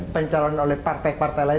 pencalon oleh partai partai lain